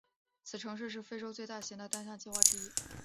此城市是非洲最大型的单项计划之一。